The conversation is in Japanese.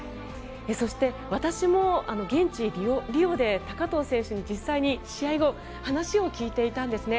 そして、私も現地リオで高藤選手に実際に試合後話を聞いていたんですね。